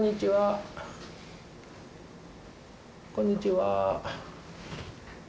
こんにちは。